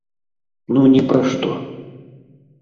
Ну, ні пра што.